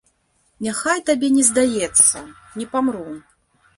Няхай табе не здаецца, не памру.